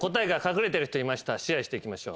シェアしていきましょう。